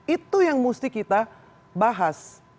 itu yang mesti kita bahas